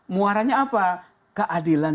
muaranya apa keadilan